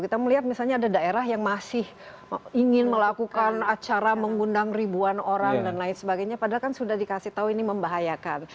kita melihat misalnya ada daerah yang masih ingin melakukan acara mengundang ribuan orang dan lain sebagainya padahal kan sudah dikasih tahu ini membahayakan